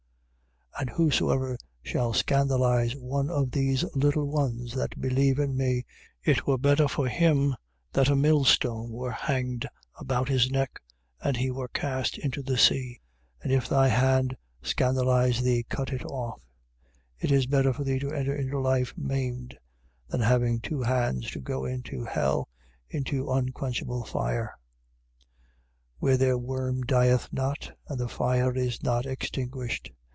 9:41. And whosoever shall scandalize one of these little ones that believe in me: it were better for him that a millstone were hanged about his neck and he were cast into the sea. 9:42. And if thy hand scandalize thee, cut it off: it is better for thee to enter into life, maimed, than having two hands to go into hell, into unquenchable fire: 9:43. Where their worm dieth not, and the fire is not extinguished.